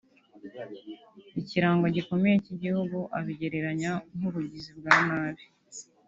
ikirango gikomeye cy’igihugu abigereranya nk’ubugizi bwa nabi